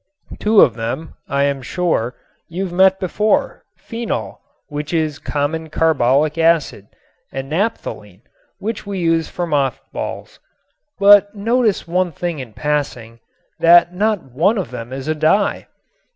Two of them, I am sure, you've met before, phenol, which is common carbolic acid, and naphthalene, which we use for mothballs. But notice one thing in passing, that not one of them is a dye.